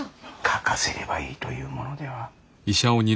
かかせればいいというものでは。